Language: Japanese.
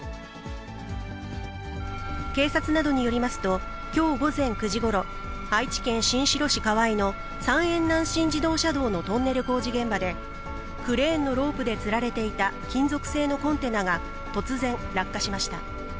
警察などによりますと、きょう午前９時ごろ、愛知県新城市川合の三遠南信自動車道のトンネル工事現場で、クレーンのロープでつられていた金属製のコンテナが突然、落下しました。